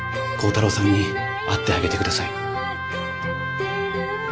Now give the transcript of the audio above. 耕太郎さんに会ってあげて下さい。